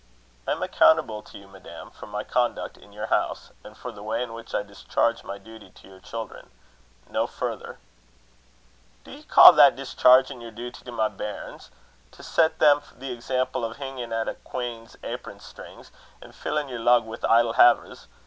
"I am accountable to you, madam, for my conduct in your house, and for the way in which I discharge my duty to your children no further." "Do ye ca' that dischairgin' yer duty to my bairns, to set them the example o' hingin' at a quean's apron strings, and fillin' her lug wi' idle havers?